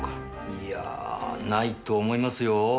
いやあないと思いますよ。